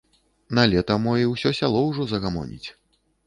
Налета мо і ўсё сяло ўжо загамоніць.